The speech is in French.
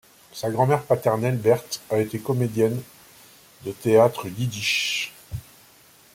Sa grand-mère paternelle Berthe, a été comédienne de théâtre yiddish.